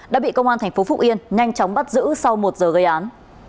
đã bị công an thành phố phúc yên nhanh chóng bắt giữ sau một giờ gây án